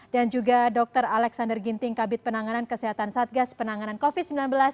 dan juga dr alexander ginting kabit penanganan kesehatan satgas penanganan covid sembilan belas